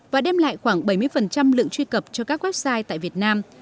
và đem lại khoảng bảy mươi lượng truy cập cho các website tại việt nam